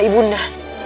sama ibu unda